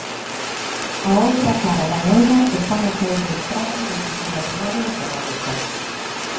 A outra cara da moeda está nas autoestradas de titularidade autonómica.